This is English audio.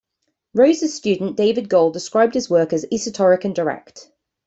Rose's student David Gold described his work as esoteric and direct.